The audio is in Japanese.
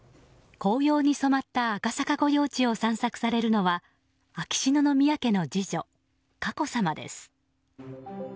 紅葉に染まった赤坂御用地を散策されるのは秋篠宮家の次女・佳子さまです。